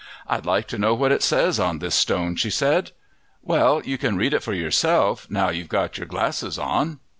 "I'd like to know what it says on this stone," she said. "Well, you can read it for yourself, now you've got your glasses on."